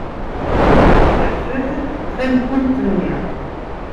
Terfed tankult-nni.